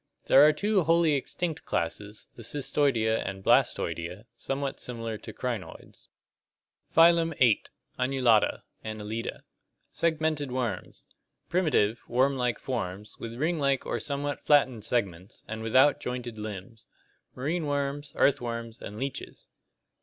There are two wholly extinct classes, the Cystoidea and Blastoidea, somewhat similar to crinoids. Phylum VIII. Annulata (Annelida) (Lat. annulus, ring). Segmented worms. Primitive, worm like forms, with ring like or somewhat flattened segments, and without jointed limbs. Marine worms, earthworms, and leeches.